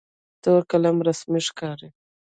تور قلم رسمي ښکاري.